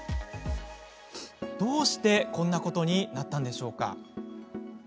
どうして、こんなことになったのでしょうか？